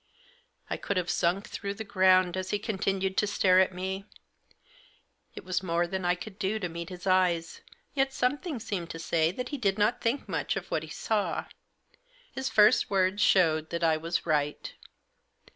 I could have sunk through the ground as he continued to stare at me. It was more than I could do to meet his eyes ; yet something seemed to say that he did not think much of what he saw. His first words showed that I was right.